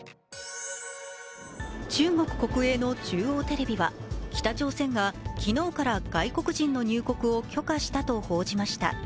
中国国営の中央テレビは北朝鮮が昨日から外国人の入国を許可したと報じました。